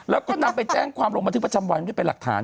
แล้วก็นำไปแจ้งความลงบันทึกประจำวันไว้เป็นหลักฐาน